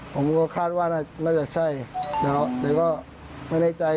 ผมก็คาดว่าน่าจะใช่แต่ก็ไม่ในใจ